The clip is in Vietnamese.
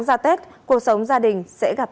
ra tết cuộc sống gia đình sẽ gặp